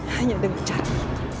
hanya dengan cara itu